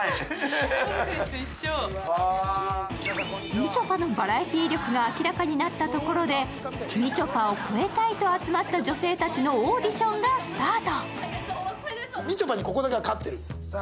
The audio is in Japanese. みちょぱのバラエティー力が明らかになったところでみちょぱを超えたいと集まった女性たちのオーディションがスタート。